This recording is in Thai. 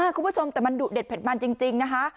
คุณผู้ชมแต่มันดุเด็ดเผ็ดมันจริงนะคะ